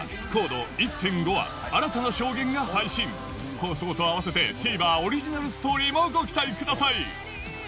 放送と合わせてＴＶｅｒオリジナルストーリーもご期待ください！